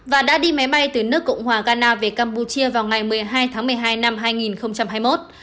và đã đi máy bay từ nước cộng hòa ghana về campuchia vào ngày một mươi hai tháng một mươi hai năm hai nghìn hai mươi một